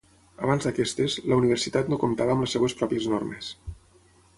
Abans d'aquestes, la universitat no comptava amb les seves pròpies normes.